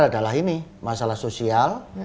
adalah ini masalah sosial